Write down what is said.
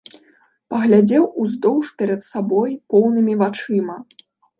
Паглядзеў уздоўж перад сабой поўнымі вачыма.